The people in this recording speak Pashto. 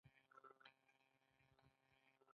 د کونړ ځنګلونه څیړۍ دي